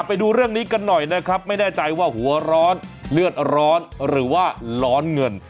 ไปดูเรื่องนี้กันหน่อยนะครับไม่แน่ใจว่าหัวร้อนเลือดร้อนหรือว่าร้อนเงิน